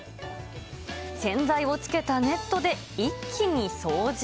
洗剤をつけたネットで一気に掃除。